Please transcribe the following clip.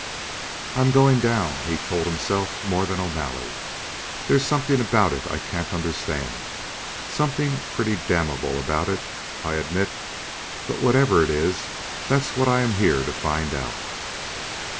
"I'm going down," he told himself more than O'Malley. "There's something about it I can't understand, something pretty damnable about it, I admit. But, whatever it is, that's what I am here to find out."